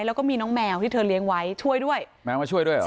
แล้วก็มีน้องแมวที่เธอเลี้ยงไว้ช่วยด้วยแมวมาช่วยด้วยเหรอ